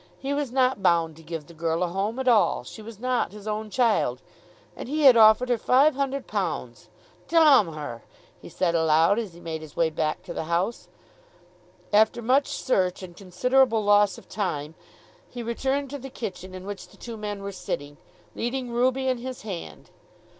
He was not bound to give the girl a home at all. She was not his own child. And he had offered her £500! "Domm her," he said aloud as he made his way back to the house. After much search and considerable loss of time he returned to the kitchen in which the two men were sitting, leading Ruby in his hand.